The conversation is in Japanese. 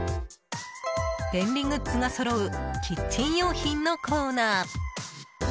便利グッズがそろうキッチン用品のコーナー。